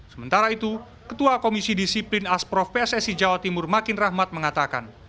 sementara itu ketua komisi disiplin asprof pssi jawa timur makin rahmat mengatakan